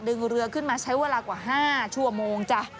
เรือขึ้นมาใช้เวลากว่า๕ชั่วโมงจ้ะ